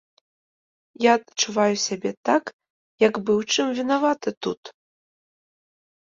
Я адчуваю сябе так, як бы ў чым вінаваты тут.